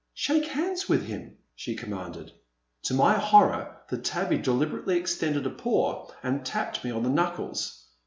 *' Shake hands with him," she commanded. To ray horror the tabby deliberately extended a paw and tapped me on the knuckles.